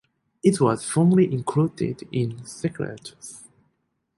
It was formerly included in "Scelotes".